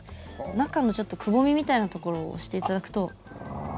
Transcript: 中のちょっとくぼみみたいなところを押していただくと。